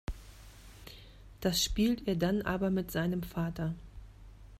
Das spielt er dann aber mit seinem Vater.